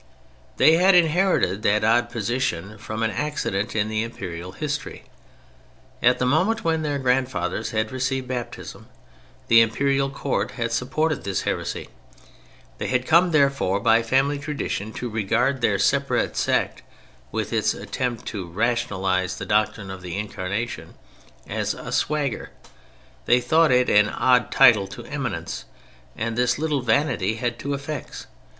They had inherited that odd position from an accident in the Imperial history. At the moment when their grandfathers had received Baptism the Imperial Court had supported this heresy. They had come, therefore, by family tradition, to regard their separate sect (with its attempt to rationalize the doctrine of the Incarnation) as a "swagger." They thought it an odd title to eminence. And this little vanity had two effects.